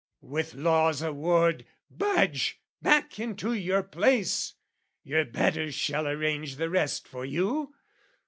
"With law's award, budge! Back into your place! "Your betters shall arrange the rest for you.